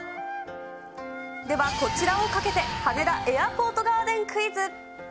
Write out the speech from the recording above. ではこちらをかけて、羽田エアポートガーデンクイズ。